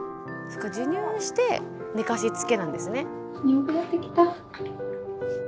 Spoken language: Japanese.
そっか授乳して寝かしつけなんですね。